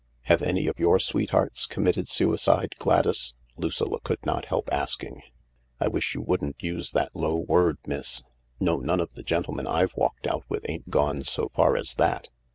" Have any of your sweethearts committed suicide, Gladys ?" Lucilla could not help asking. " I wish you wouldn't use that low word, miss. No, none of the gentlemen I've walked out with ain't gone so far as that.